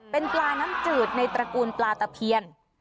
เป็นปลาน้ำจืดในตระกูลปลาตะเพียน